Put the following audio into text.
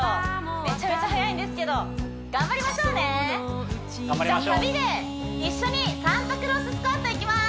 めちゃめちゃ速いんですけど頑張りましょうね頑張りましょうじゃあサビで一緒にサンタクローススクワットいきます